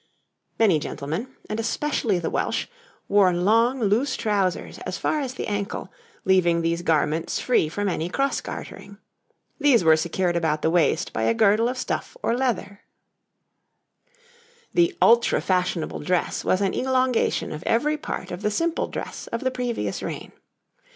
Many gentlemen, and especially the Welsh, wore long loose trousers as far as the ankle, leaving these garments free from any cross gartering. These were secured about the waist by a girdle of stuff or leather. [Illustration: {Two men of the time of William II.}] The ultra fashionable dress was an elongation of every part of the simple dress of the previous reign.